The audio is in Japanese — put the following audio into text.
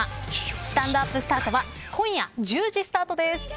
スタンドＵＰスタートは今夜１０時スタートです。